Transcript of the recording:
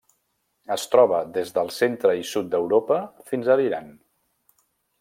Es troba des del centre i sud d'Europa fins a l'Iran.